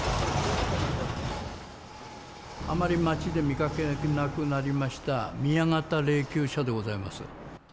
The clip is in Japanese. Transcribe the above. あまり街で見かけなくなりました、宮型霊きゅう車でございます。